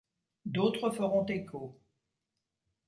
D’autres feront écho.